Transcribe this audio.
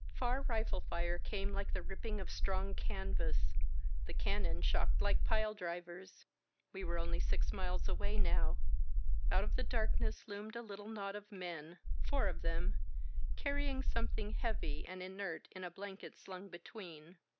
Far rifle fire came like the ripping of strong canvas, the cannon shocked like pile drivers. We were only six miles away now. Out of the darkness loomed a little knot of men — four of them — carrying something heavy and inert in a blanket slung between.